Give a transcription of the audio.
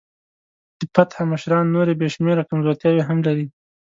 د فتح مشران نورې بې شمېره کمزورتیاوې هم لري.